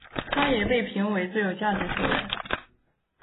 他也被评为最有价值球员。